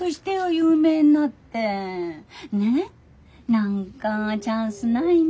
何かチャンスないの？